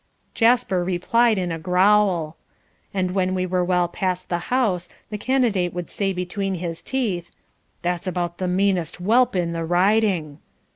Jasper replied in a growl. And when we were well past the house the candidate would say between his teeth "That's about the meanest whelp in the riding."